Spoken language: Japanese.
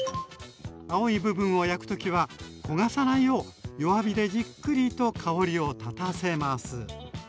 青い部分を焼く時は焦がさないよう弱火でじっくりと香りを立たせます。